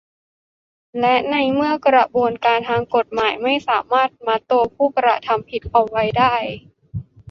และในเมื่อกระบวนการทางกฎหมายไม่สามารถมัดตัวผู้กระทำผิดเอาไว้ได้